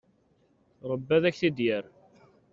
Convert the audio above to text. Rebbi ad ak-t-id-yerr.